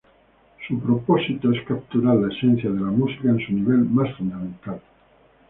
Su propósito es capturar la esencia de la música en su nivel más fundamental.